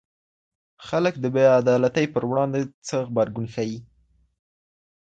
خلګ د بې عدالتۍ پر وړاندې څه غبرګون ښيي؟